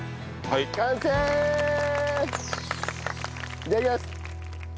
いただきます！